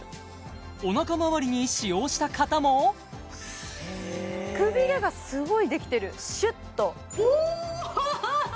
おなかまわりに使用した方もくびれがすごいできてるシュッとおーっ！